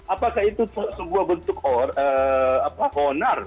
apakah itu sebuah bentuk konar